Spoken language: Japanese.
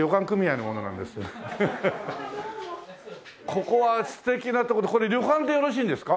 ここは素敵なとこでこれ旅館でよろしいんですか？